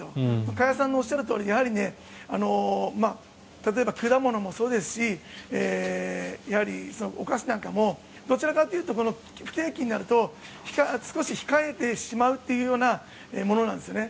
加谷さんのおっしゃるとおりやはり例えば果物もそうですしお菓子なんかもどちらかというと不景気になると少し控えてしまうというものなんですね。